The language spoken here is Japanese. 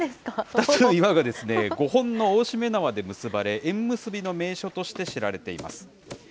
２つの岩が５本の大しめ縄で結ばれ、縁結びの名所として知られています。